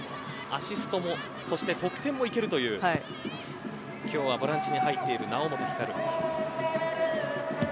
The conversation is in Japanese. アシストも得点もいけるという今日はボランチに入っている猶本光。